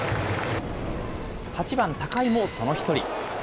８番高井もその１人。